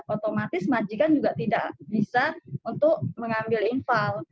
otomatis majikan juga tidak bisa untuk mengambil infal